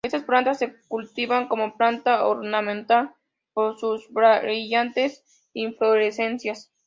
Estas plantas se cultivan como planta ornamental por sus brillantes inflorescencias.